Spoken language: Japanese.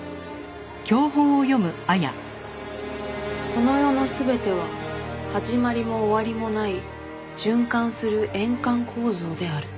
「この世の全ては始まりも終わりもない循環する円環構造である」